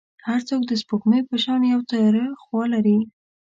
هر څوک د سپوږمۍ په شان یو تیاره خوا لري.